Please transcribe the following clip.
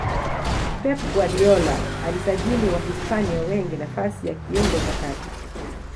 pep guardiola alisajili wahispania wengi nafasi ya kiungo cha kati